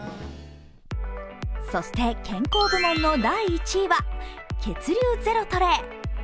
そして健康部門の第１位は「血流ゼロトレ」。